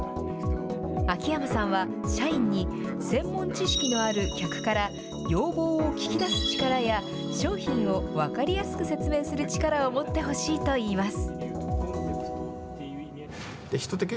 秋山さんは、社員に専門知識のある客から、要望を聞き出す力や、商品を分かりやすく説明する力を持ってほしいといいます。